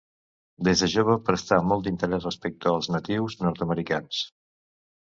Des de jove prestà molt d'interès respecte als natius nord-americans.